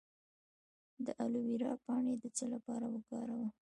د الوویرا پاڼې د څه لپاره وکاروم؟